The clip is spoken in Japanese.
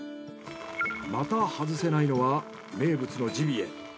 また外せないのは名物のジビエ。